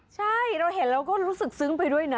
ใช่เราเห็นเราก็รู้สึกซึ้งไปด้วยนะ